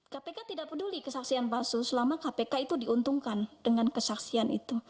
kpk tidak peduli kesaksian palsu selama kpk itu diuntungkan dengan kesaksian itu